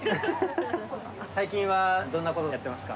最近はどんなことをやってますか？